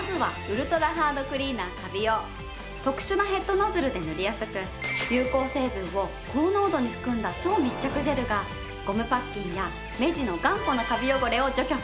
まずは特殊なヘッドノズルで塗りやすく有効成分を高濃度に含んだ超密着ジェルがゴムパッキンや目地の頑固なカビ汚れを除去するの。